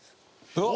あっ。